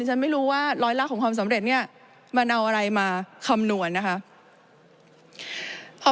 ฉันไม่รู้ว่าร้อยละของความสำเร็จเนี่ยมันเอาอะไรมาคำนวณนะคะ